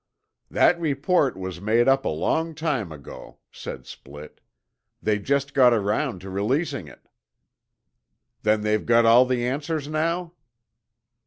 "That report was made up a long time ago," said Splitt. "They just got around to releasing it." "Then they've got all the answers now?"